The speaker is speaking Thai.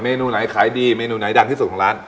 นูไหนขายดีเมนูไหนดังที่สุดของร้าน